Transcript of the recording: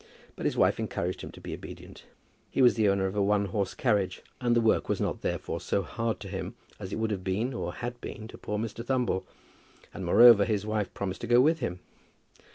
But his wife encouraged him to be obedient. He was the owner of a one horse carriage, and the work was not, therefore, so hard to him as it would have been and had been to poor Mr. Thumble. And, moreover, his wife promised to go with him.